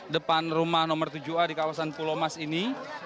depan rumah nomor tujuh a di kawasan pulomas ini